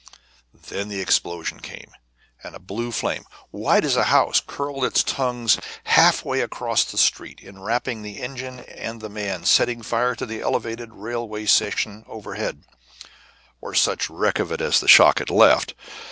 Then the explosion came, and a blue flame, wide as a house, curled its tongues half way across the street, enwrapping engine and man, setting fire to the elevated railway station overhead, or such wreck of it as the shock had left.